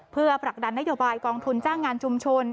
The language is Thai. เพื่อผลักดันนโยบายกองทุนจ้างงานชุมชน